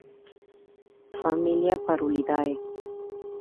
Familia: Parulidae